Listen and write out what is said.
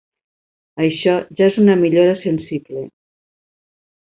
Això ja és una millora sensible.